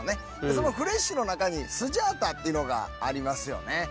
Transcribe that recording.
そのフレッシュの中にスジャータっていうのがありますよね。